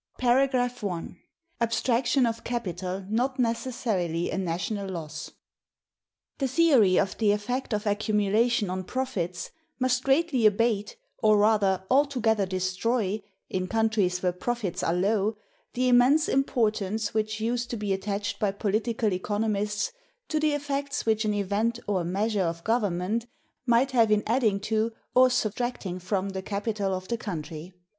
§ 1. Abstraction of Capital not necessarily a national loss. The theory of the effect of accumulation on profits must greatly abate, or rather, altogether destroy, in countries where profits are low, the immense importance which used to be attached by political economists to the effects which an event or a measure of government might have in adding to or subtracting from the capital of the country.